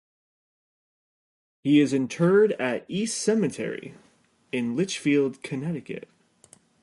He is interred at East Cemetery, in Litchfield, Connecticut.